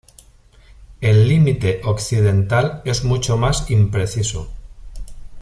El límite occidental es mucho más impreciso.